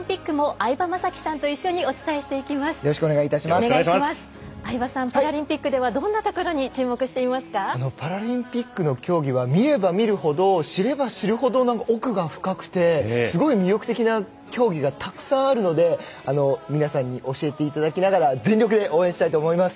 相葉さん、パラリンピックではどんなところにパラリンピックの競技は見れば見るほど知れば知るほど奥が深くてすごく魅力的な競技がたくさんあるので皆さんに教えていただきながら全力で応援したいと思います。